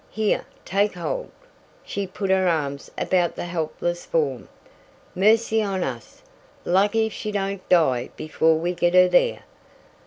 Here, take hold," she put her arms about the helpless form. "Mercy on us! Lucky if she don't die before we get her there.